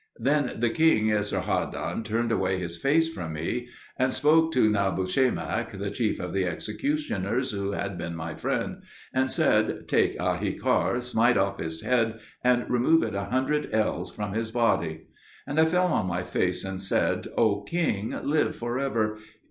Then the king Esarhaddon turned away his face from me and spoke to Nabushemak, the chief of the executioners, who had been my friend, and said, "Take Ahikar, smite off his head, and remove it a hundred ells from his body." And I fell on my face and said, "O king, live for ever!